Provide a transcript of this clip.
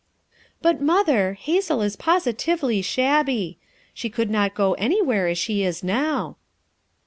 "But, Mother, Hazel is positively shabby. She could not go anywhere as she is now."